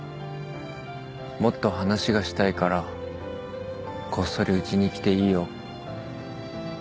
もっと話がしたいからこっそりうちに来ていいよ。